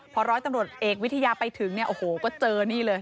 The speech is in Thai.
พอร้อยตำรวจเอกวิทยาไปถึงเนี่ยโอ้โหก็เจอนี่เลย